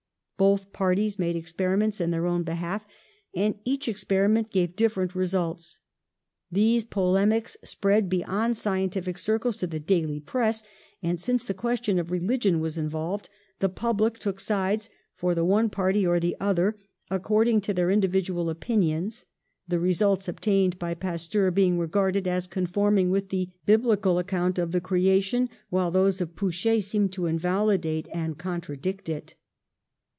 Both parties made experiments in their own behalf, and each experiment gave different results. These polemics spread beyond scientific circles to the daily press, and, since the question of religion was involved, the public took sides for the one party or the other, according to their individual opinions, the results obtained by Pasteur being regarded as conforming with the biblical account of the creation, while those of Pouchet seemed to invalidate and contradict it.